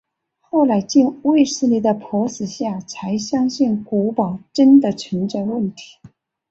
后来经卫斯理的迫使下才相信古堡真的存在问题。